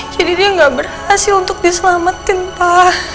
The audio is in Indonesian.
jadi dia nggak berhasil untuk diselamatin pa